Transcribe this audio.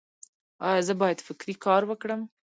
ایا زه باید فکري کار وکړم؟